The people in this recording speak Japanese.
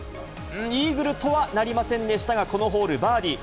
イーグルとはなりませんでしたが、このホール、バーディー。